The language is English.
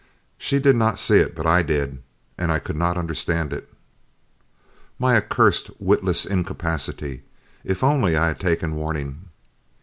She did not see it, but I did. And I could not understand it. My accursed, witless incapacity! If only I had taken warning!